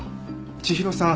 千尋さん